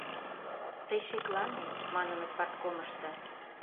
Тый шеклане, — маныныт парткомышто.